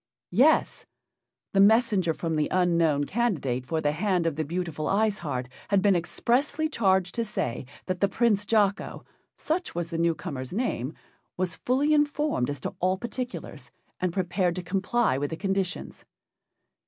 Yes, the messenger from the unknown candidate for the hand of the beautiful Ice Heart had been expressly charged to say that the Prince Jocko such was the new comer's name was fully informed as to all particulars, and prepared to comply with the conditions.